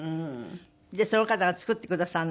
その方が作ってくださるの？